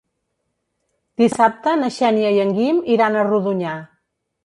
Dissabte na Xènia i en Guim iran a Rodonyà.